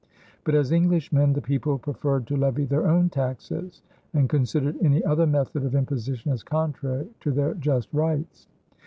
But, as Englishmen, the people preferred to levy their own taxes and considered any other method of imposition as contrary to their just rights.